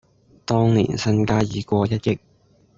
當年身家已過一憶